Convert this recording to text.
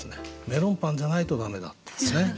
メロンパンじゃないと駄目だっていうね。